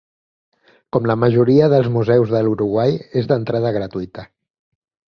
Com la majoria dels museus de l'Uruguai és d'entrada gratuïta.